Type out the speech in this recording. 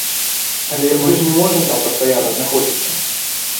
Але мы ж не можам там пастаянна знаходзіцца.